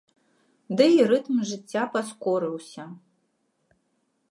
Ды і рытм жыцця паскорыўся.